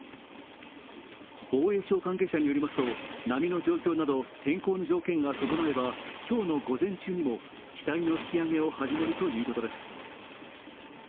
防衛省関係者によりますと波の状況など天候の条件が整えば今日の午前中にも機体の引き揚げを始めるということです。